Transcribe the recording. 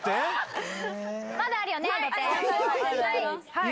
はい！